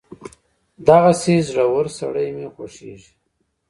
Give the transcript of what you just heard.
دغسې زړور سړی مې خوښېږي.